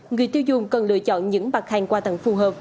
người tiêu dùng cần lựa chọn những mặt hàng quà tặng phù hợp